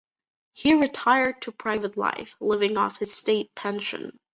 He retired to private life, living off his state pension.